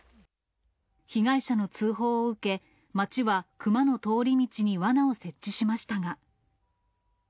被害者の通報を受け、町はクマの通り道にわなを設置しましたが。